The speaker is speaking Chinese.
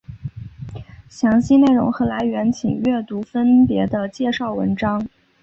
详细内容和来源请阅读分别的介绍文章。